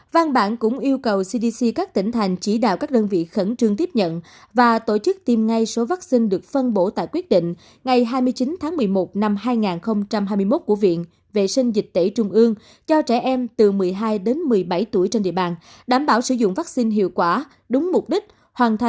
văn bản cũng yêu cầu cdc các tỉnh thành chỉ đạo các đơn vị khẩn trương tiếp nhận và tổ chức tiêm ngay số vaccine được phân bổ tại quyết định ngày hai mươi chín tháng một mươi một năm hai nghìn hai mươi hai của viện vệ sinh dịch tẩy trung ương